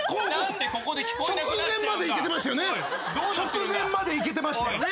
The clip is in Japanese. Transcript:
直前までいけてましたよね？